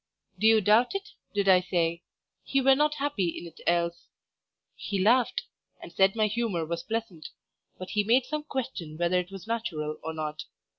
"Do you doubt it?" did I say; "he were not happy in't else." He laughed, and said my humour was pleasant; but he made some question whether it was natural or not.